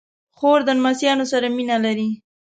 خور د لمسيانو سره مینه لري.